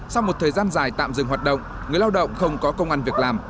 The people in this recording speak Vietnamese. sau một thời gian dài tạm dừng hoạt động người lao động không có công an việc làm